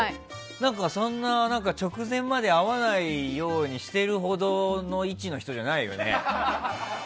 なんか、そんな直前まで会わないようにしてるほどの位置の人じゃないよね。